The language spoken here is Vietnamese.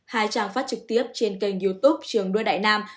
hai trang phát trực tiếp trên kênh youtube trường đua đại nam